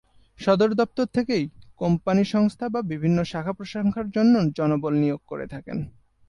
সদর দফতর থেকেই কোম্পানী সংস্থা বা বিভিন্ন শাখা-প্রশাখার জন্য জনবল নিয়োগ করে থাকেন।